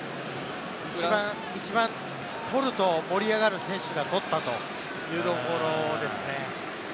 一番取ると盛り上がる選手が取ったというところですね。